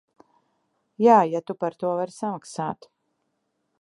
Jā, ja tu par to vari samaksāt.